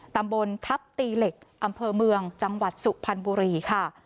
ตำบลทัพตีเหล็กอำเภอเมืองจังหวัดสุพรรณบุรีค่ะ